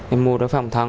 em mua đó phòng thân